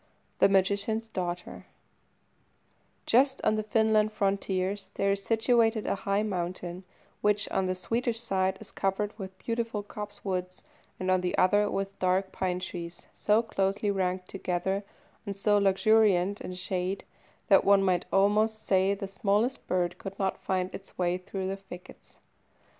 THE MAGICIAN'S DAUGHTER Just on the Finland frontiers there is situated a high mountain, which, on the Swedish side, is covered with beautiful copsewood, and on the other with dark pine trees, so closely ranked together, and so luxuriant in shade, that one might almost say the smallest bird could not find its way through the thickets.